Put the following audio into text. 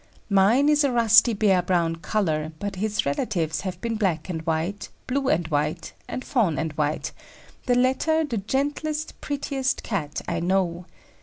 Mine is a rusty bear brown colour, but his relatives have been black and white, blue and white, and fawn and white, the latter the gentlest, prettiest Cat I know.